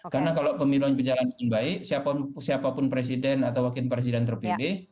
karena kalau pemilu yang berjalan dengan baik siapapun presiden atau wakil presiden terpilih